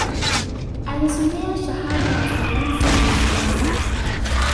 Alisomea Shahada ya Sayansi ya Siasa